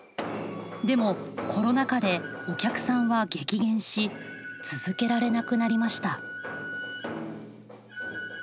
でもコロナ禍でお客さんは激減し続けられなくなりました。